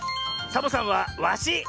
サボさんはワシ！